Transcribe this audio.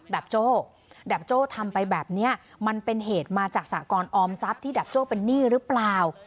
ับโจ้ดับโจ้ทำไปแบบนี้มันเป็นเหตุมาจากสากรออมทรัพย์ที่ดับโจ้เป็นหนี้หรือเปล่า